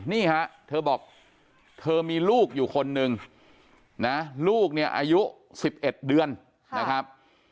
นี่ฮะเธอบอกเธอมีลูกอยู่คนนึงนะลูกเนี่ยอายุ๑๑เดือนนะครับ